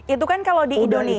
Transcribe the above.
itu kan kalau di indonesia